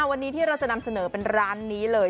วันนี้ที่เราจะนำเสนอเป็นร้านนี้เลย